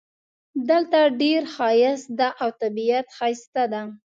دلته ډېر ښایست ده او طبیعت ښایسته ده